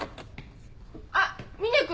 あっ峰君。